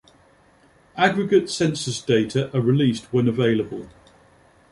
Aggregate census data are released when available.